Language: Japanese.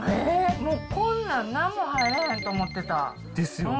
こんなん、なんも入らへんと思ってた。ですよね。